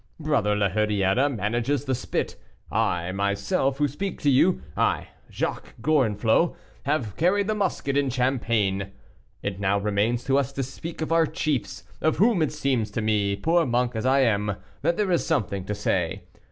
Brother la Hurière manages the spit; I, myself, who speak to you I, Jacques Gorenflot, have carried the musket in Champagne. It now remains to us to speak of our chiefs, of whom it seems to me, poor monk as I am, that there is something to say.